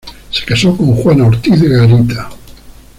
Se casó con Juana Ortiz Garita.